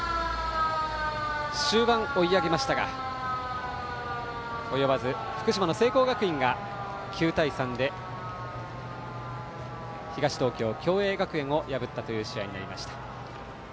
終盤、追い上げましたが及ばず福島の聖光学院が９対３で東東京・共栄学園を破ったという試合になりました。